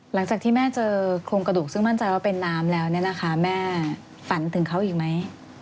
หลังจากที่แม่เจอโครงกระดูกซึ่งมั่นใจว่าเป็นน้ำแล้วเนี่ยนะคะแม่ฝันถึงเขาอีกไหม